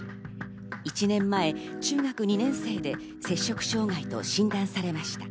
１年前、中学２年生で摂食障害と診断されました。